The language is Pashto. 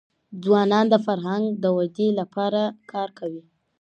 ځوانان د فرهنګ د ودې لپاره کار کوي.